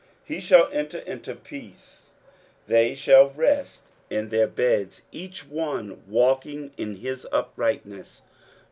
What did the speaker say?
23:057:002 He shall enter into peace: they shall rest in their beds, each one walking in his uprightness.